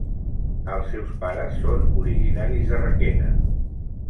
Els seus pares són originaris de Requena.